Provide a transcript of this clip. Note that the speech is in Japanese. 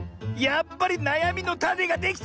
やっぱりなやみのタネができてる！